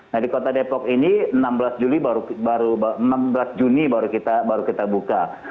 nah di kota depok ini enam belas juni baru kita buka